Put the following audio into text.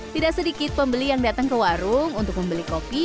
tidak sedikit pembeli yang datang ke warung untuk membeli kopi